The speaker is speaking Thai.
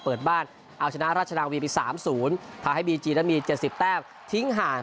เปิดบ้านเอาชนะราชนาวีบอีขสามศูนย์พาให้บีจีแล้วมีเจอสิบแบบทิ้งห่าง